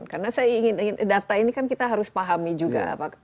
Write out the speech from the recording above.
karena saya ingin data ini kan kita harus pahami juga